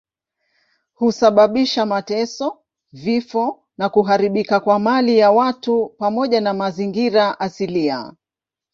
Husababisha mateso, vifo na kuharibika kwa mali ya watu pamoja na mazingira asilia.